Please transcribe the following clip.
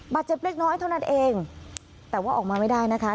เจ็บเล็กน้อยเท่านั้นเองแต่ว่าออกมาไม่ได้นะคะ